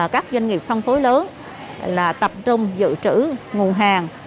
các doanh nghiệp phân phối lớn là tập trung dự trữ nguồn hàng